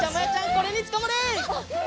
これにつかまれ！